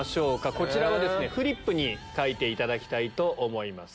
こちらはフリップに書いていただきたいと思います。